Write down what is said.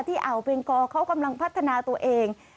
อ่าวเบงกอเขากำลังพัฒนาตัวเอง